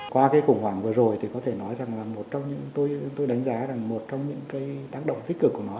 qua khủng hoảng vừa rồi tôi đánh giá rằng một trong những tác động tích cực của nó